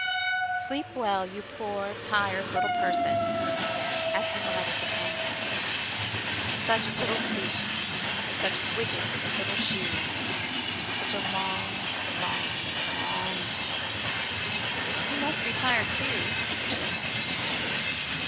"Sleep well, you poor, tired little person," he said, as he lighted the candle; "such little feet, such wicked little shoes, such a long, long, long walk." "You must be tired, too," she said.